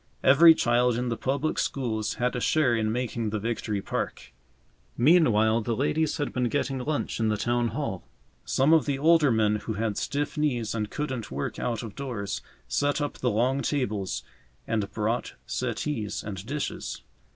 Every child in the public schools had a share in making the Victory Park. Meanwhile the ladies had been getting lunch in the Town Hall. Some of the older men who had stiff knees and couldn't work out of doors, set up the long tables and brought settees and dishes.